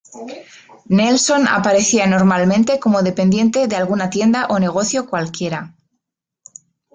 Nelson aparecía normalmente como dependiente de alguna tienda o negocio cualquiera.